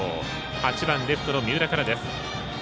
８番レフトの三浦からです。